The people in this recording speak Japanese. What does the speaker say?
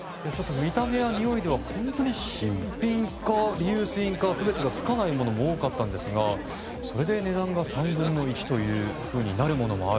見た目やにおいでは新品かリユース品か区別がつかないものも多かったんですがそれで値段が３分の１になるものがある。